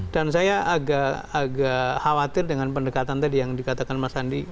dan saya agak khawatir dengan pendekatan tadi yang dikatakan mas andi